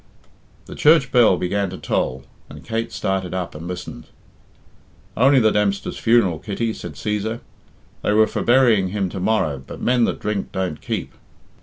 The church bell began to toll, and Kate started up and listened. "Only the Dempster's funeral, Kitty," said Cæsar. "They were for burying him to morrow, but men that drink don't keep.